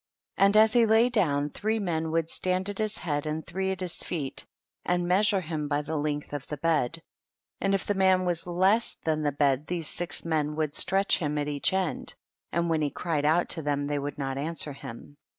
4. And as he lay down, three men would stand at his head and three at his feet, and measure him by the length of the bed, and if the man was less than the bed these six men would stretch him at each end, and when he cried out to them they would not answer him.